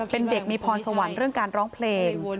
เป็นเด็กมีพรสวรรค์เรื่องการร้องเพลง